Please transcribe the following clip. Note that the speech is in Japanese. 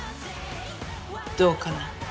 どうかな。